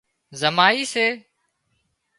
زمائي سي